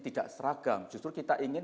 tidak seragam justru kita ingin